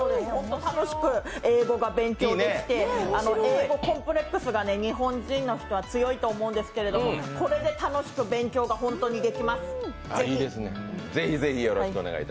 楽しく英語が勉強できて、英語コンプレックスが日本人の人は強いと思うんですけどこれで楽しく勉強がホントにできます、ぜひ。